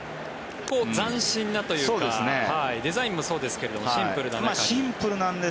斬新なというかデザインもそうですがシンプルな感じで。